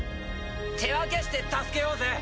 手分けして助けようぜ。